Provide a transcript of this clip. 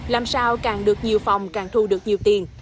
làm sao càng được nhiều phòng càng thu được nhiều tiền